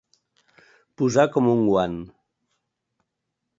Posar com un guant.